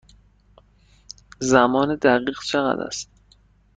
زمان دقیق چند است؟